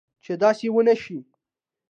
چې داسي و نه شي